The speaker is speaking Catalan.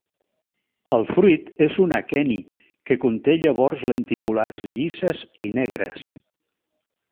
El fruit és un aqueni que conté llavors lenticulars llises i negres.